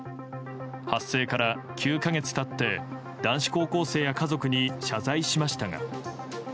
発生から９か月経って男子高校生や家族に謝罪しましたが。